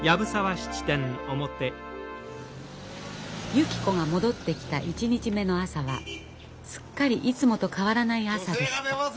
ゆき子が戻ってきた１日目の朝はすっかりいつもと変わらない朝でした。